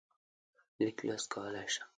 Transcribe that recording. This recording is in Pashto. لیک لوست کولای شم.